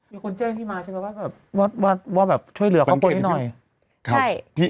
พี่คุณเจ้นพี่มาใช่ไหมว่าแบบว่าแบบช่วยเหลือเข้าไปนิดหน่อยใช่